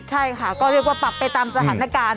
ใช่ค่ะก็เรียกว่าปรับไปตามสถานการณ์